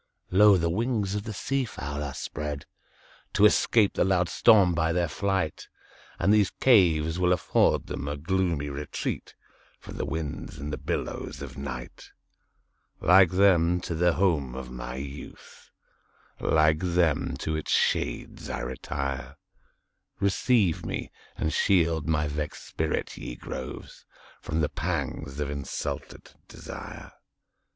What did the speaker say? Lo! the wings of the sea fowl are spreadTo escape the loud storm by their flight; And these caves will afford them a gloomy retreatFrom the winds and the billows of night; Like them, to the home of my youth, Like them, to its shades I retire; Receive me, and shield my vexed spirit, ye groves, From the pangs of insulted desire!